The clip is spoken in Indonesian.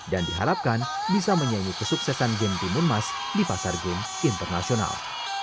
dan diharapkan bisa menyanyi kesuksesan game timun mas di pasar game internasional